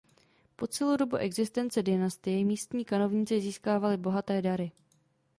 Po celou dobu existence dynastie místní kanovníci získávali bohaté dary.